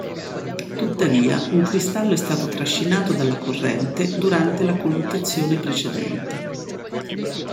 Tuttavia un cristallo è stato trascinato dalla corrente durante la colluttazione precedente.